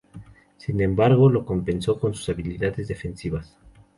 Sin embargo, lo compensó con sus habilidades defensivas.